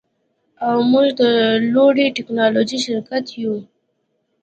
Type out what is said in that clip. او موږ د لوړې ټیکنالوژۍ شرکت یو